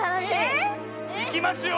えぇ⁉いきますよ！